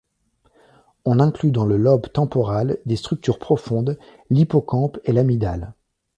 On inclut dans le lobe temporal des structures profondes, l'hippocampe et l'amygdale.